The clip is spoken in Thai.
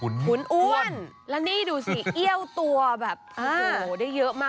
และนี่ดูสิเอี่ยวตัวแบบโอ้โหได้เยอะมาก